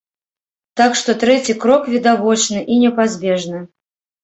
Так што трэці крок відавочны і непазбежны.